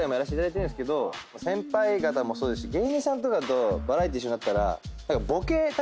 先輩方も芸人さんとかとバラエティー一緒になったら。